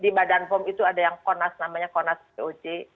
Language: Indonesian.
di badan pom itu ada yang konas namanya komnas poj